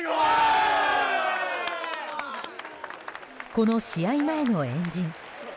この試合前の円陣。